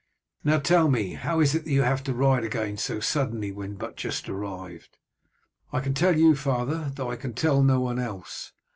Now tell me, how is it that you have to ride again so suddenly when but just arrived?" "I can tell you, father, though I can tell no one else.